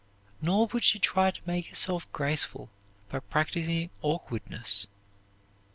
Nor would she try to make herself graceful by practising awkwardness.